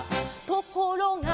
「ところが」